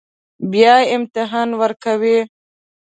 بیا امتحان ورکوئ